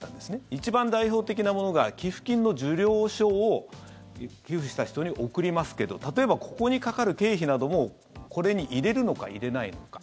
一番代表的なものが寄付金の受領書を寄付した人に送りますけど例えば、ここにかかる経費などもこれに入れるのか入れないのか。